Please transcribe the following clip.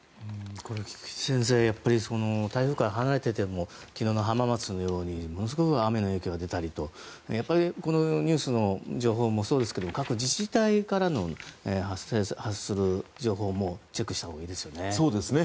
先生、やっぱり台風から離れていても昨日の浜松のようにものすごい雨の影響が出たりやっぱりこのニュースの情報もそうですが各自治体からの発する情報もチェックしたほうがいいですよね。